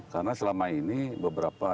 karena selama ini beberapa